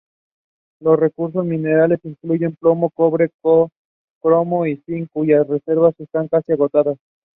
It is south of Olveston and is located in a steep valley.